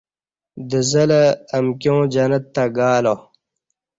دزلہ امکیاں جنت تہ گالا